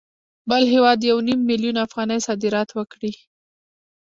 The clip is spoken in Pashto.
بل هېواد یو نیم میلیون افغانۍ صادرات وکړي